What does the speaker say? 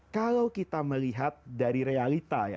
kalau kita melihat dari realita ya